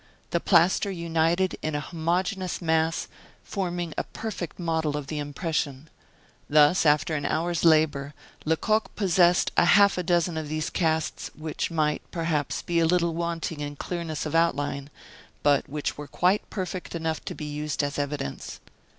The plaster united in a homogeneous mass, forming a perfect model of the impression. Thus, after an hour's labor, Lecoq possessed half a dozen of these casts, which might, perhaps, be a little wanting in clearness of outline, but which were quite perfect enough to be used as evidence.